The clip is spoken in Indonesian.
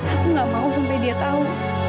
aku gak mau sampai dia tahu